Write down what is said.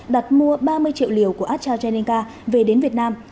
đặt mua ba mươi triệu liều của astrazeneca về đến việt nam